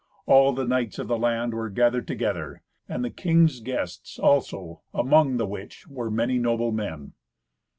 All the knights of the land were gathered together, and the king's guests also, among the which were many noble men.